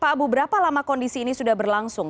pak abu berapa lama kondisi ini sudah berlangsung